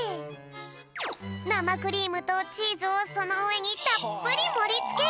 なまクリームとチーズをそのうえにたっぷりもりつける！